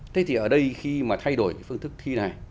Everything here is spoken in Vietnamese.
thế thì ở đây khi mà thay đổi phương thức thi này